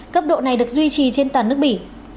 cấp độ này được duy trì trên toàn nước bỉ